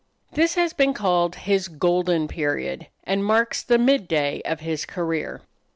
This has been called his "golden period," and marks the midday of his career.